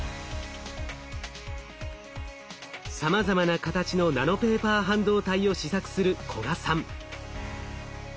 さまざま形のナノペーパー半導体を試作する古賀さん。